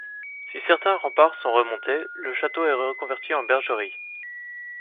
Si certains remparts sont remontés, le château est reconverti en bergerie.